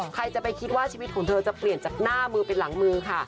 ใครจะไปคิดว่าชีวิตของเธอจะเปลี่ยนจากหน้ามือเป็นหลังมือค่ะ